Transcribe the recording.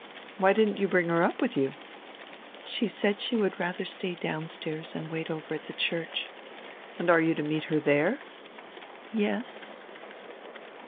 "Why didn't you bring her up with you?" "She said she would radier stay downstairs and wait over at the church." "And you are to meet her tiiere?" "Yes."